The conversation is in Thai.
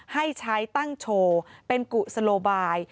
ให้ใช้ตั้งโชว์เป็นกุศโลบาย